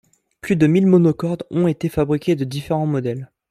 Plus de mille monocordes ont été fabriqués, de différents modèles.